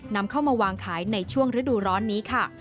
นำเข้ามาวางขายในช่วงฤดูร้อนนี้ค่ะ